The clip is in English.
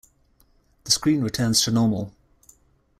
The screen returns to normal.